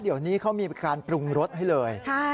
เดี๋ยวนี้เขามีการปรุงรสให้เลย